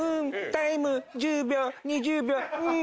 タイム１０秒２０秒うーん」